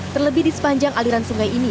terlebih di sepanjang aliran sungai ini